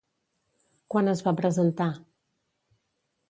Quan es va presentar?